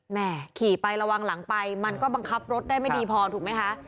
แม่ขี่ไประวังหลังไปมันก็บังคับรถได้ไม่ดีพอถูกไหมคะ